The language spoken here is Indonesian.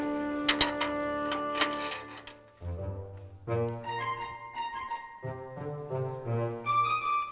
tidak ada yang nungguin